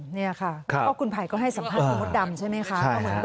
เนี่ยค่ะคุณภัยก็ให้สัมภัณฑ์มดดำใช่ไหมคะ